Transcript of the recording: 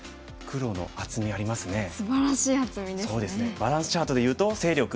バランスチャートで言うと勢力？